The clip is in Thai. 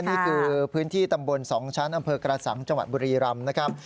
นี่คือพื้นที่ตำบล๒ชั้นอำเภอกระสังจังหวัดบุรีรำนะครับ